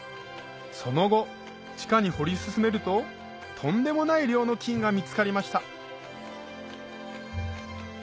その後地下に掘り進めるととんでもない量の金が見つかりました